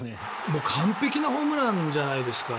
もう完璧なホームランじゃないですか。